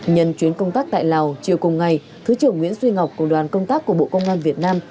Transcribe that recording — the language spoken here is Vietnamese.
nhân chuyến công tác tại lào chiều cùng ngày thứ trưởng nguyễn duy ngọc cùng đoàn công tác của bộ công an việt nam